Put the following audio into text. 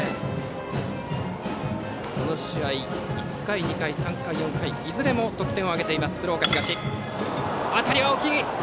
この試合１回、２回、３回、４回といずれも得点を挙げている鶴岡東。